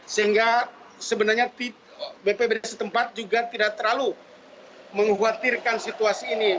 sehingga sebenarnya bpbd setempat juga tidak terlalu mengkhawatirkan situasi ini